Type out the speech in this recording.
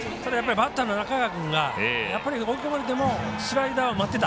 バッターの中川君が追い込まれてもスライダーを待っていた。